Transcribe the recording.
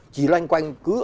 chỉ loanh quanh